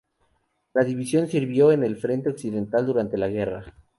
La división sirvió en el Frente Occidental durante la guerra.